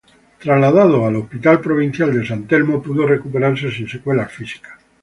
Trasladado al Hospital Provincial San Telmo pudo recuperarse sin secuelas físicas.